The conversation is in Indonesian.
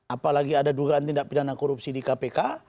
apalagi ada dugaan tindak pidana korupsi di kpk